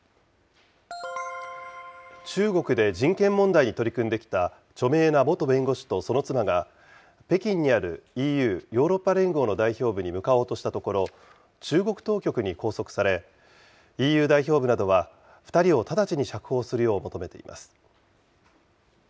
中国で人権問題に取り組んできた著名な元弁護士とその妻が、北京にあるＥＵ・ヨーロッパ連合の代表部に向かおうとしたところ、中国当局に拘束され、ＥＵ代表部などは、２人を直ちに釈放するよう求めています。